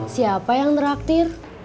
siapa yang traktir